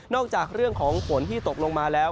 จากเรื่องของฝนที่ตกลงมาแล้ว